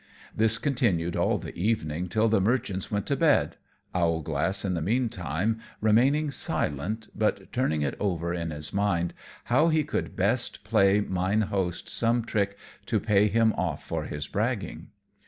This continued all the evening till the merchants went to bed, Owlglass in the mean time remaining silent, but turning it over in his mind how he could best play mine host some trick to pay him off for his bragging.